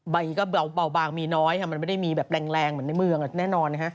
ใบก็เบาบางมีน้อยมันไม่ได้มีแบบแรงเหมือนในเมืองแน่นอนนะฮะ